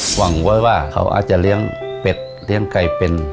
หวังไว้ว่าเขาอาจจะเลี้ยงเป็ดเลี้ยงไก่เป็น